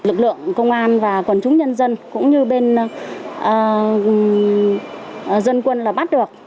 lực lượng công an và quần chúng nhân dân cũng như bên dân quân là bắt được